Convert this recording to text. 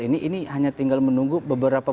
ini hanya tinggal menunggu beberapa